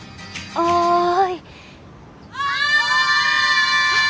おい！